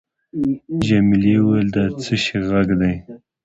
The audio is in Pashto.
جميلې وويل:: دا د څه شي ږغ دی؟